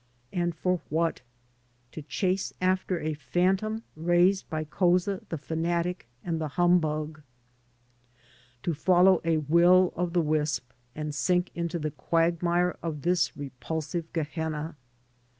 And for what? To chase after a phantom raised by Couza the fanatic and the humbug. To follow a will o' the wisp and sink in the quagmire of this repulsive Gehenna.